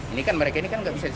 ini kan mereka ini kan nggak bisa